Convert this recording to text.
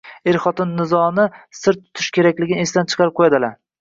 er-xotinlar nizoni sir tutish kerakligi esdan chiqarib qo‘yadilar.